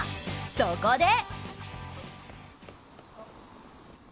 そこで。